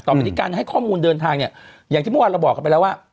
วิธีการให้ข้อมูลเดินทางเนี่ยอย่างที่เมื่อวานเราบอกกันไปแล้วว่า